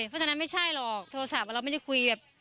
เพราะฉะนั้นไม่ใช่หรอกโทรศัพท์เราไม่ได้คุยแบบ